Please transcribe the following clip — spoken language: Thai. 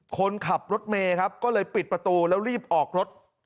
คนขับรถเมย์ครับก็เลยปิดประตูแล้วรีบออกรถ